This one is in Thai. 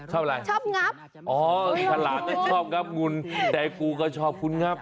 ชอบอะไรชอบงับอ๋อมีฉลาดก็ชอบงับงุนแต่กูก็ชอบคุณงับ